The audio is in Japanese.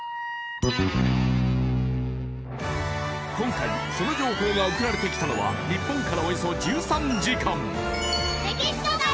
今回その情報が送られてきたのは日本からおよそ１３時間